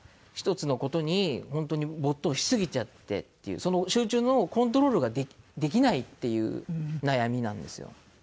１つの事に本当に没頭しすぎちゃってっていう集中のコントロールができないっていう悩みなんですよ。